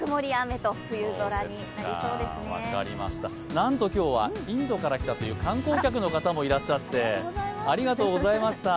なんと今日はインドから来たという観光客の方もいらっしゃって、ありがとうございました。